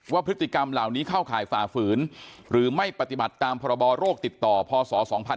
พฤติกรรมเหล่านี้เข้าข่ายฝ่าฝืนหรือไม่ปฏิบัติตามพรบโรคติดต่อพศ๒๕๕๙